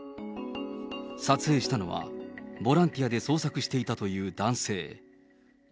撮影したのは、ボランティアで捜索していたという男性。